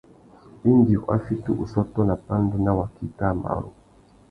Indi wa fiti ussôtô nà pandú nà waki kā marru.